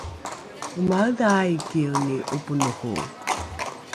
omaedha aikieni ’oponoho?